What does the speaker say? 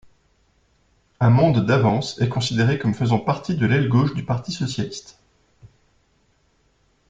Un Monde d'Avance est considéré comme faisant partie de l'aile gauche du Parti socialiste.